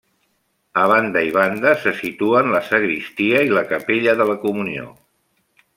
A banda i banda se situen la sagristia i la Capella de la Comunió.